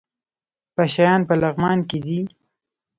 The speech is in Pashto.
پشه یان په لغمان کې دي؟